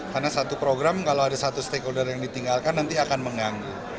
karena satu program kalau ada satu stakeholder yang ditinggalkan nanti akan mengganggu